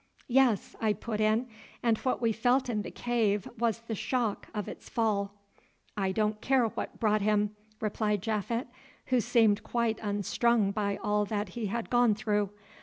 "Yes," I put in, "and what we felt in the cave was the shock of its fall." "I don't care what brought him," replied Japhet, who seemed quite unstrung by all that he had gone through.